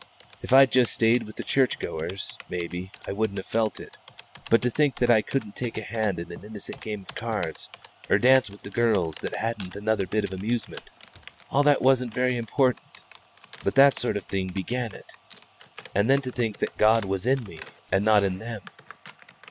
If I'd just stayed with the church goers, maybe I wouldn't have felt it; but to think that I couldn't take a hand in an innocent game o' cards, or dance with the girls that hadn't had another bit of amusement all that wasn't very important, but that sort of thing began it. And then to think that God was in me and not in them!